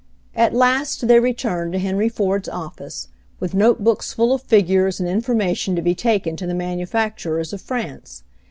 At last they returned to Henry Ford's office, with notebooks full of figures and information to be taken to the manufacturers of France.